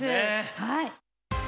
はい。